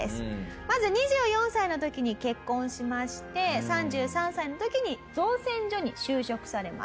まず２４歳の時に結婚しまして３３歳の時に造船所に就職されます。